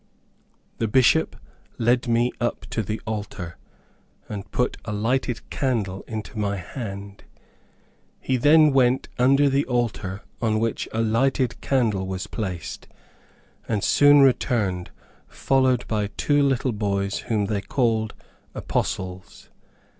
The Bishop led me up to the altar, and put a lighted candle into my hand. He then went under the altar, on which a lighted candle was placed, and soon returned followed by two little boys whom they called apostles.